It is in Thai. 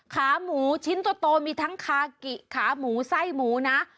ขาหมูชิ้นโตมีทั้งคากิขาหมูไส้หมูนะ